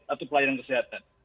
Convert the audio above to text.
atau pelayanan kesehatan